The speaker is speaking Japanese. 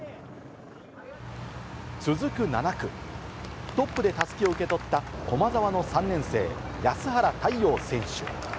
続く７区、トップでたすきを受け取った駒澤の３年生、安原太陽選手。